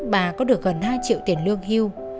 bà có được gần hai triệu tiền lương hưu